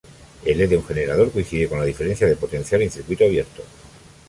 El ℰ de un generador coincide con la diferencia de potencial en circuito abierto.